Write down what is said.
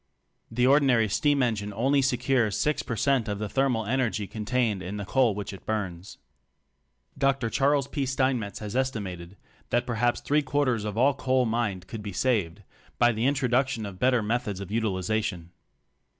The ordinary steam engine only secures 6 per cent of the thermal energy contained in the coal which it burns. Dr. Charles P. Steinmetz has estimated that perhaps three quarters of all coal mined could be saved by the introduction of better methods of utilization.